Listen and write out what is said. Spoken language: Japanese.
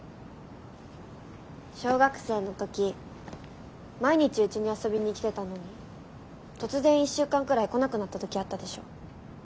小学生の時毎日うちに遊びに来てたのに突然１週間くらい来なくなった時あったでしょ。